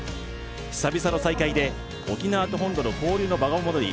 久々の再会で沖縄と本土の交流の場が戻り